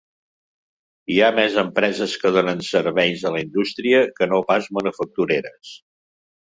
Hi ha més empreses que donen serveis a la indústria que no pas manufactureres!